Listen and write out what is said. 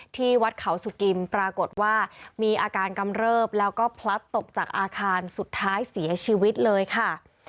ที่วัดเขาสุกิมปรากฏว่ามีอาการกำเริบแล้วก็พลัดตกจากอาคารสุดท้ายเสียชีวิตเลยค่ะ